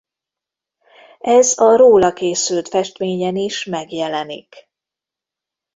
Ez a róla készült festményen is megjelenik.